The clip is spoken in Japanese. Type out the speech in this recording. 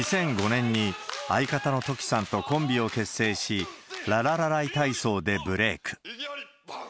２００５年に相方のトキさんとコンビを結成し、ラララライ体操でブレーク。